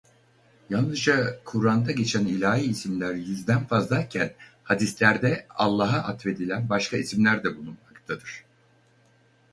Yalnızca Kur'an'da geçen ilahi isimler yüzden fazlayken hadislerde Allah'a atfedilen başka isimler de bulunmaktadır.